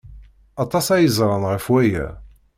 Aṭas ay ẓran ɣef waya.